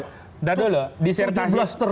dan di zaman jokowi ini korupsi terbesar